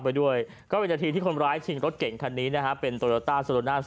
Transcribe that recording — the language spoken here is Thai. พี่เช้นจะลงนะ